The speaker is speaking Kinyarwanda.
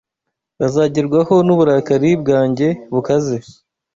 bazagerwaho n’uburakari bwanjye bukaze.